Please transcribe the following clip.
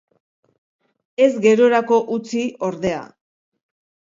Ez gerorako utzi, ordea.